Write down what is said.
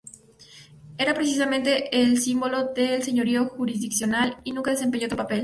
Era precisamente el símbolo de señorío jurisdiccional, y nunca desempeñó otro papel.